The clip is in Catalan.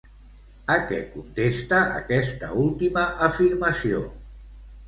A què contesta aquesta última afirmació?